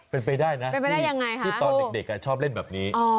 เป็นไปได้นะคือตอนเด็กชอบเล่นแบบนี้